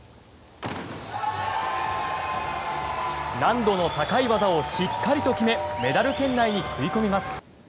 難度の高い技をしっかりと決めメダル圏内に食い込みます。